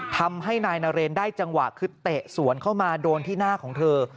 ทำให้นายนเรนได้จังหวะคือเตะสวนเข้ามาโดนที่หน้าของเธอ